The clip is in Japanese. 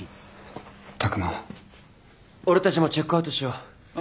俺たちもチェックアウトしよう。